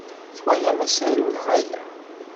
Twalam asaru neɣ ala?